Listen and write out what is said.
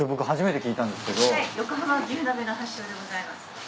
はい。